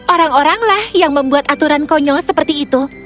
orang oranglah yang membuat aturan konyol seperti itu